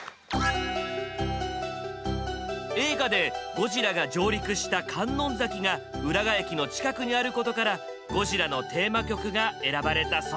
映画でゴジラが上陸した観音崎が浦賀駅の近くにあることから「ゴジラ」のテーマ曲が選ばれたそうです。